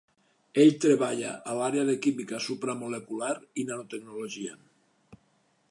Ell treballa a l'àrea de química supramolecular i nanotecnologia.